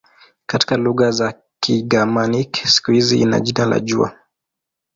Katika lugha za Kigermanik siku hii ina jina la "jua".